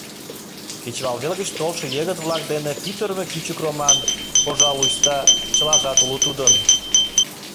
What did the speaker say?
Кечывалвел гыч толшо йыгыт-влак дене пӱтырымӧ кӱчык роман, пожалуйста, чылажат уло тудын.